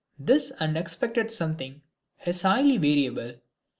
This unexpected something is highly variable.